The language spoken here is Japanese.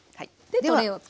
はい。